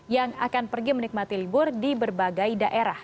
yang akan pergi menikmati libur di berbagai daerah